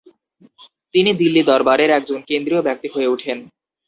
তিনি দিল্লি দরবারের একজন কেন্দ্রীয় ব্যক্তি হয়ে উঠেন।